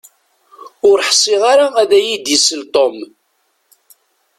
Ur ḥsiɣ ara ad iyi-d-isel Tom